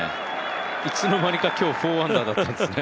いつの間にか、今日４アンダーだったんですね。